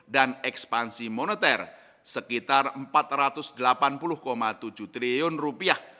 dan ekspansi moneter sekitar rp empat ratus delapan puluh tujuh triliun